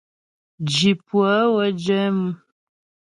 Zhi pʉə́ə wə́ jɛ mʉ.